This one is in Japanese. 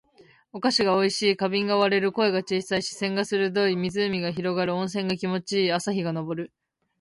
お菓子が美味しい。花瓶が割れる。声が小さい。視線が鋭い。湖が広がる。温泉が気持ち良い。朝日が昇る。